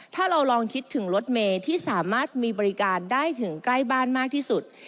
ถ้าเราลองคิดถึงรถเมย์ที่สามารถมีบริการได้ถึงใกล้บ้านมากที่สุด